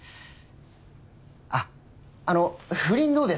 あっあの不倫どうですか？